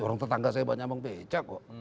orang tetangga saya banyak abang beca kok